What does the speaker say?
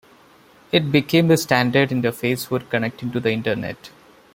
It became the standard interface for connecting to the Internet.